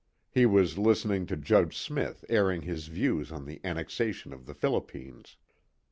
He was listening to Judge Smith airing his views on the annexation of the Philippines.